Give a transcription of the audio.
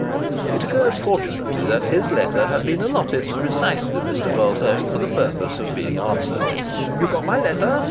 It occurred fortunately that his letter had been allotted to precisely Mr. Vulto for the purpose of being answered. "You got my letter?"